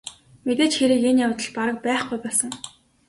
Мэдээж хэрэг энэ явдал бараг байхгүй болсон.